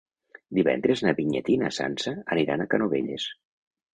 Divendres na Vinyet i na Sança aniran a Canovelles.